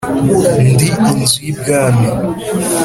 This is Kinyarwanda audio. ndi inzu y'i bwami